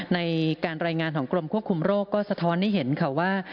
ในการรายงานของกรมควบคุมโรคก็สะท้อนให้เห็นค่ะว่า